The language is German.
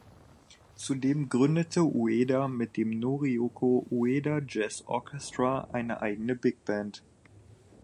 Zudem gründete Ueda mit dem "Noriko Ueda Jazz Orchestra" eine eigene Big Band.